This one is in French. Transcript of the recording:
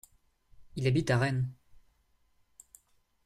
Il habite à Rennes.